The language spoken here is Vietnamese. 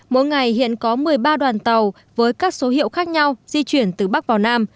mỗi ngày hiện có một mươi ba đoàn tàu với các số hiệu khác nhau di chuyển từ bắc vào nam